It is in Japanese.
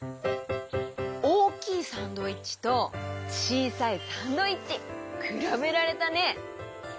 おおきいサンドイッチとちいさいサンドイッチ！くらべられたね！